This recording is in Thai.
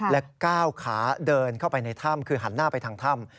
และก้าวขาเดินเข้าไปในถ้ำคือหันหน้าไปทางถ้ำ